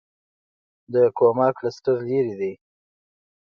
د کوما کلسټر لیرې دی.